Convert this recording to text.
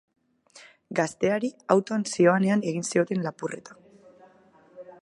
Gazteari autoan zihoanean egin zioten lapurreta.